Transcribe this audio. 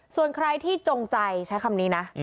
ส่วนใครที่จงใจใช้คำนี้นะ